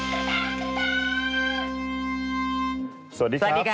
กลับมาเดินไปกัน